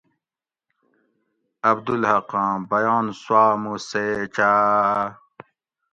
عبدالحق آں بیان سوآۤ مُو سیچاۤ